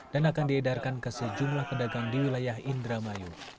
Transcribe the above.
dan akan diedarkan ke sejumlah pedagang di wilayah indramayu